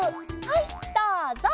はいどうぞ！